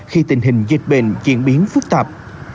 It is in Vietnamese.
khi tình hình dịch bệnh diễn biến phức tạp